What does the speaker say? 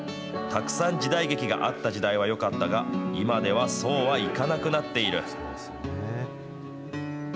たくさん時代劇があった時代はよかったが、今ではそうはいかなくなっている。